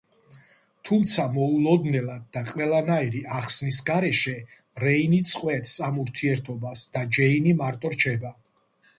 თუმცა მოულოდნელად და ყველანაირი ახსნის გარეშე რეინი წვეტს ამ ურთიერთობას და ჯეინი მარტო რჩება.